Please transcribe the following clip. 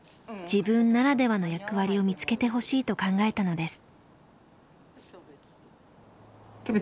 自分ならではの役割を見つけてほしいと考えたのです。